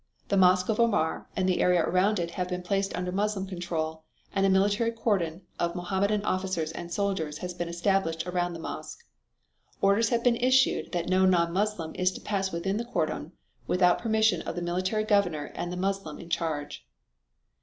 The Mosque of Omar and the area around it have been placed under Moslem control, and a military cordon of Mohammedan officers and soldiers has been established around the mosque. Orders have been issued that no non Moslem is to pass within the cordon without permission of the military governor and the Moslem in charge."